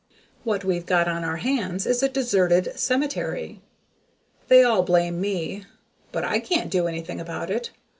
What we've got on our hands is a deserted cemetery. They all blame me, but I can't do anything about it.